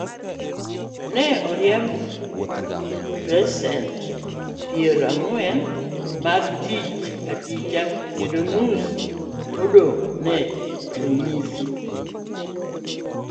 Ne oriemb pasent pierang'wen mag jotich e tich, kendo nus modong' ne onyis